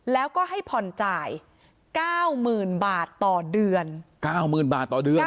แล้วก็ให้ผ่อนจ่ายเก้ามื่นบาทต่อเดือนเก้ามื่นบาทต่อเดือนเหรอ